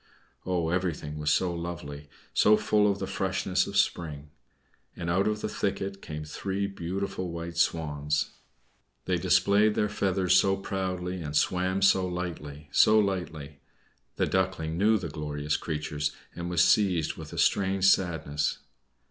Oh! everything was so lovely, so full of the freshness of spring! And out of the thicket came three beautiful white Swans. They displayed their feathers so proudly and swam so lightly, so lightly! The Duckling knew the glorious creatures, and was seized with a strange sadness.